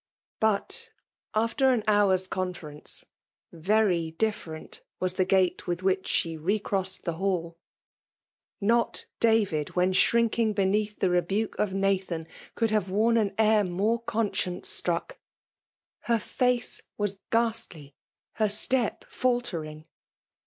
But, after an hour's conference, very dif ferent was the gait with which she re crossed the hall ! Not Darid, when shrinking beneath the rebuke of Nathan, could have worn an air FEMALE DOIIINATION. Ill more conscience struck ! Her face was gliastly — ^her step fiJtering.